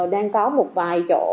đang có một vài chỗ